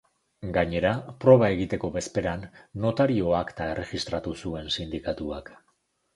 Gainera, proba egiteko bezperan notario-akta erregistratu zuen sindikatuak.